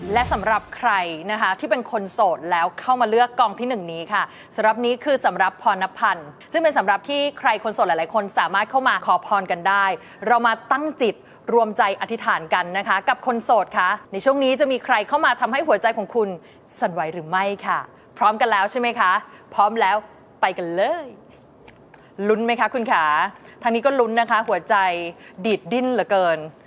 และสำหรับใครนะคะที่เป็นคนโสดแล้วเข้ามาเลือกกองที่หนึ่งนี้ค่ะสำหรับนี้คือสำหรับพรพันธ์ซึ่งเป็นสำหรับที่ใครคนโสดหลายคนสามารถเข้ามาขอพรกันได้เรามาตั้งจิตรวมใจอธิษฐานกันนะคะกับคนโสดค่ะในช่วงนี้จะมีใครเข้ามาทำให้หัวใจของคุณสนไหวหรือไม่ค่ะพร้อมกันแล้วใช่ไหมคะพร้อมแล้วไปกันเลย